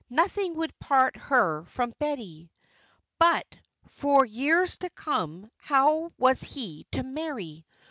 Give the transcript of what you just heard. Nothing would part her from Betty. But, for years to come, how was he to marry?